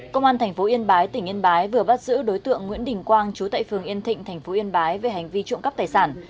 công an thành phố yên bái tỉnh yên bái vừa bắt giữ đối tượng nguyễn đình quang chú tại phường yên thịnh thành phố yên bái về hành vi trộm cắp tài sản